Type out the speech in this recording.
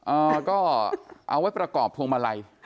เอ่อก็เอาไว้ประกอบพวงมาลัย